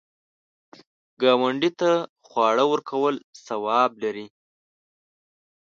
ګاونډي ته خواړه ورکول ثواب لري